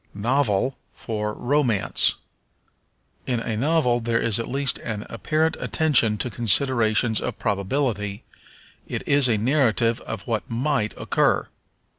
Novel for Romance. In a novel there is at least an apparent attention to considerations of probability; it is a narrative of what might occur.